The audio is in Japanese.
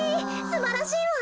すばらしいわ。